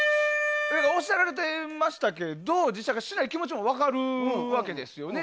おっしゃられてましたけれど実写化しない気持ちも分かるわけですよね。